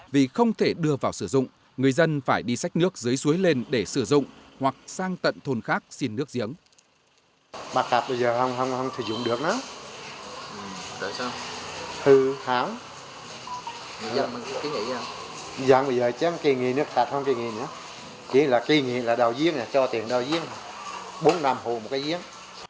vì không thể đưa vào sử dụng người dân phải đi sách nước dưới suối lên để sử dụng hoặc sang tận thôn khác xin nước giếng